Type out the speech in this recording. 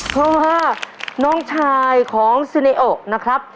ก็คือน้องชายของซึเนโอกนะครับ